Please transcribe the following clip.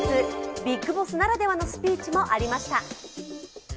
ビッグボスならではのスピーチもありました。